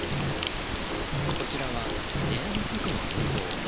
こちらは、部屋の外の映像。